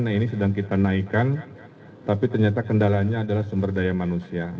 nah ini sedang kita naikkan tapi ternyata kendalanya adalah sumber daya manusia